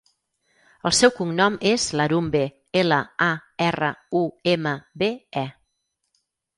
El seu cognom és Larumbe: ela, a, erra, u, ema, be, e.